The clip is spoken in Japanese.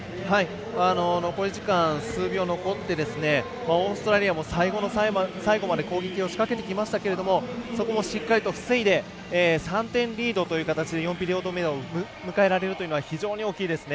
残り時間、数秒残ってオーストラリアも最後の最後まで攻撃を仕掛けてきましたけれどもそこをしっかりと防いで３点リードという形で４ピリオド目を迎えられるというのは非常に大きいですね。